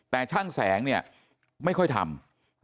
แต่ช่างแสงเนี่ยไม่ค่อยทำ